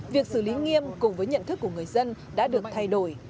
việc xử lý nghiêm cùng với nhận thức của người dân đã được thay đổi